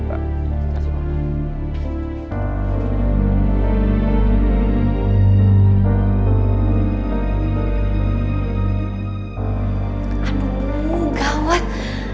aduh munggah waduh